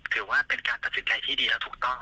ถือว่าเป็นการตัดสินใจที่ดีและถูกต้อง